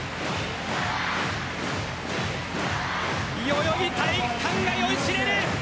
代々木体育館が酔いしれる。